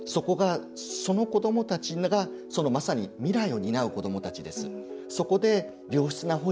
その子どもたちがまさに未来を担う子どもたちです。